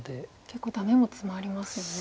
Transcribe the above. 結構ダメもツマりますよね。